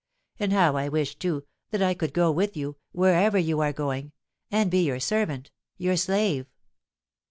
And how I wish, too, that I could go with you—wherever you are going—and be your servant—your slave!"